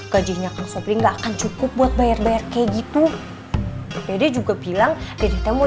gajinya kang sobri enggak akan cukup buat bayar bayar kayak gitu pede juga bilang jadi temu